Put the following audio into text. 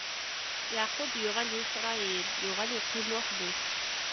Yeɛqub yuɣal d Isṛayil, yuɣal iqqim weḥd-s.